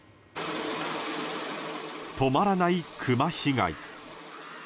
止まらないクマ被害。